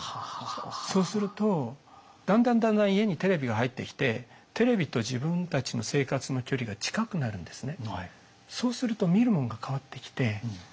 そうするとだんだんだんだん家にテレビが入ってきてテレビと自分たちの生活の距離が近くなるんですね。